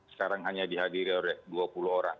sekarang hanya dihadiri oleh dua puluh orang